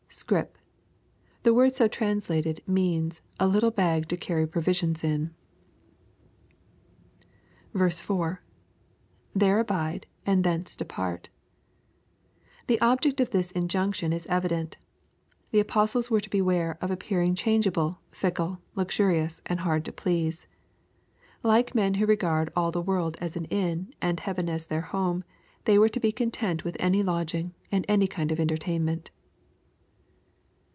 [Scrip.] The word so translated, means, a little bag to carry provisions in. 4. — [There ahide, and thence depart.] The object of this injunction is evident The apostles were to beware of appearing changeable, fickle, luxurious, and hard to please. like men who regard all the world as an inn, and heaven as their home, they were to be con tent with any lodging, and any kind of entertainment.